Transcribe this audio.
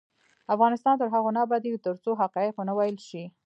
افغانستان تر هغو نه ابادیږي، ترڅو حقایق ونه ویل شي.